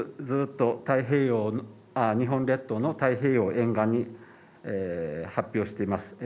ずっと太平洋日本列島の太平洋沿岸に発表しています